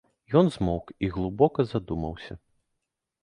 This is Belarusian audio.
Ён змоўк і глыбока задумаўся.